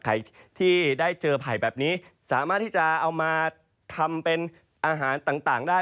ใครที่ได้เจอไผ่แบบนี้สามารถที่จะเอามาทำเป็นอาหารต่างได้